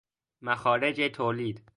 مخارج تولید